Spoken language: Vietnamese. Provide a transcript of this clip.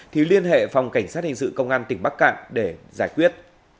thì liên hệ phòng cảnh sát hình sự công an tỉnh bắc cạn để giải quyết